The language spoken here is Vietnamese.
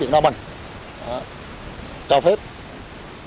đọc qua nát và được ra rác